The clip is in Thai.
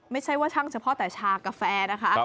ไม่ใช่ว่าช่างเฉพาะแต่ชากาแฟนะคะ